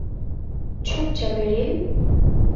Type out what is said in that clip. চুপ যা, বেরিল।